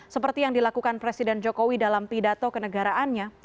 seperti yang dilakukan presiden jokowi dalam pidato kenegaraannya